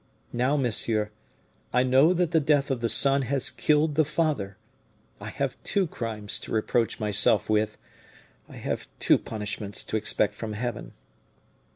Now, monsieur, I know that the death of the son has killed the father; I have two crimes to reproach myself with; I have two punishments to expect from Heaven."